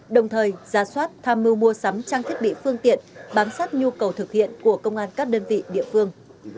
đồng thời ra soát tham mưu mua sắm trang thiết bị phương tiện bám sát nhu cầu thực hiện của công an các đơn vị địa phương